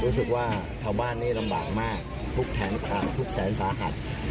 รู้สึกว่าชาวบ้านนี่ลำบากมากทุกแขนขาดทุกแสนสาหัส